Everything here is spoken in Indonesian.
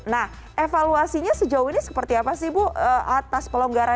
nah evaluasinya sejauh ini seperti apa sih bu atas pelonggaran